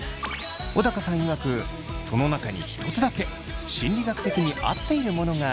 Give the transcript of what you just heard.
小高さんいわくその中にひとつだけ心理学的に合っているものがありました。